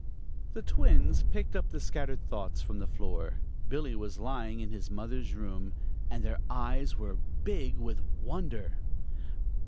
The twins picked up the scattered thoughts from the floor Billy was lying in his mother's room and their eyes were big with wonder.